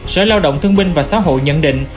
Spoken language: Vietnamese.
sở lao động thương binh và xã hội nhận định